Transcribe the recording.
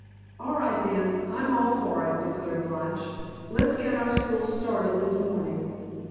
"All right then, I'm all for it," declared Lige; "let's get our school started this morning."